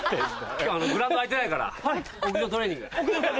今日はグラウンド空いてないから屋上トレーニング。